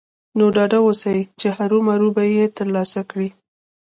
نو ډاډه اوسئ چې هرو مرو به يې ترلاسه کړئ.